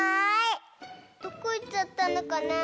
どこいっちゃったのかな？